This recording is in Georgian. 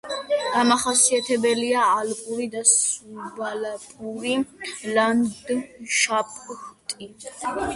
დამახასიათებელია ალპური და სუბალპური ლანდშაფტი.